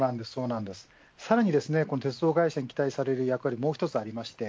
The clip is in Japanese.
さらに鉄道会社に期待される役割はもう一つあります。